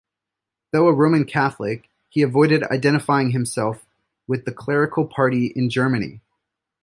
Though a Roman Catholic, he avoided identifying himself with the clerical party in Germany.